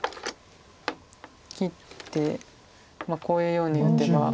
切ってこういうように打てば。